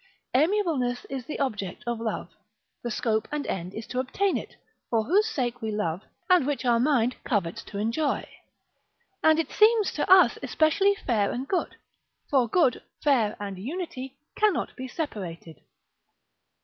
Amiableness is the object of love, the scope and end is to obtain it, for whose sake we love, and which our mind covets to enjoy. And it seems to us especially fair and good; for good, fair, and unity, cannot be separated.